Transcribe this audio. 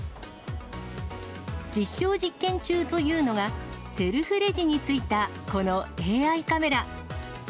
実証実験中というのが、セルフレジについたこのＡＩカメラ。